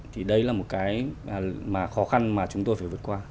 thì đây là một cái khó khăn mà chúng tôi phải vượt qua